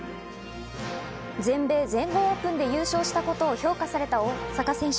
全米、全豪オープンで優勝したことを評価された大坂選手。